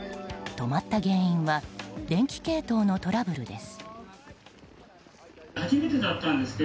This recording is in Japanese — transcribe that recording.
止まった原因は電気系統のトラブルです。